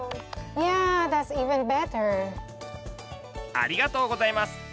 ありがとうございます！